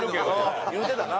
言うてたな。